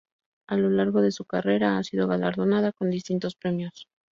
A lo largo de su carrera ha sido galardonada con distintos premios.